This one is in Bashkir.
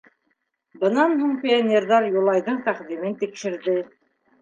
Бынан һуң пионерҙар Юлайҙың тәҡдимен тикшерҙе.